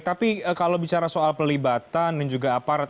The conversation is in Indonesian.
tapi kalau bicara soal pelibatan dan juga aparat